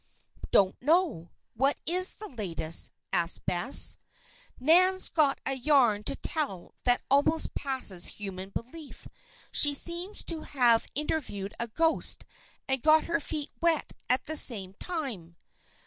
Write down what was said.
"Don't know. What is the latest?" asked Bess. "Nan's got a yarn to tell that almost passes human belief. She seems to have interviewed a ghost and got her feet wet at the same time."